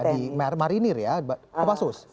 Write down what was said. di marinir ya kepasus